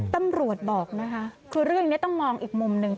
ตำรวจบอกนะคะคือเรื่องนี้ต้องมองอีกมุมหนึ่ง